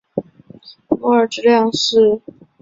摩尔质量是一摩尔化学元素或者化合物的质量。